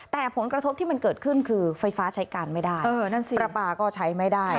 แต่ผลกระทบที่มันเกิดขึ้นคือไฟฟ้าใช้การไม่ได้ประปาก็ใช้ไม่ได้